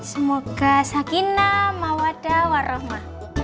semoga sakinah mawada warahmat